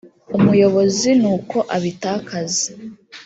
umuyobozi n uko abitakaza